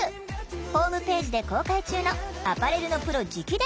ホームページで公開中の「アパレルのプロ直伝！